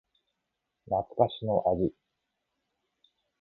懐かしの味